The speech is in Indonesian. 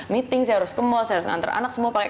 meeting saya harus ke mall saya harus ngantar anak semua pakai